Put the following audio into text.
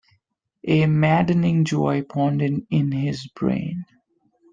A maddening joy pounded in his brain.